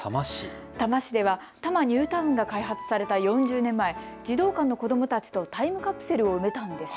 多摩市では多摩ニュータウンが開発された４０年前、児童館の子どもたちとタイムカプセルを埋めたんです。